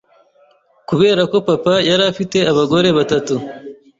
kubera ko papa yari afite abagore batatu